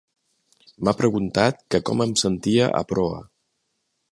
M'ha preguntant que com em sentia a Proa.